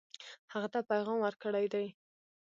هغه ته پیغام ورکړی دی.